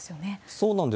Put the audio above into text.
そうなんです。